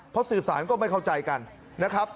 เพราะสื่อสารก็ไม่เข้าใจกันนะครับ